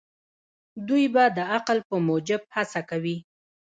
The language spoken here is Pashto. دوی به د عقل په موجب هڅه کوي.